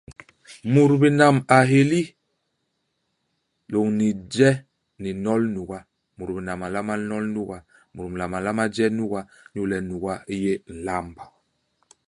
Mut binam a héli lôñni je ni nol nuga. Mut binam a nlama nol nuga. Mut binam a nlama je nuga, inyu le nuga i yé nlamb.